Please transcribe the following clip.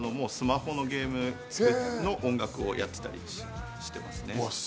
スマホのゲームの音楽をやってたりしますね。